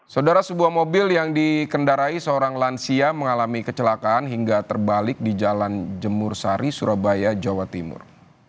saudara sebuah mobil yang dikendarai seorang lansia mengalami kecelakaan hingga terbalik di jalan jemur sari surabaya jawa timur